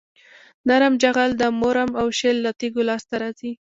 نرم جغل د مورم او شیل له تیږو لاسته راځي